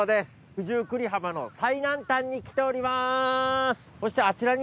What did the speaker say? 九十九里浜の最南端に来ております。